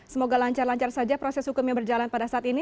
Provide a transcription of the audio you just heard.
semoga lancar lancar saja proses hukum yang berjalan pada saat ini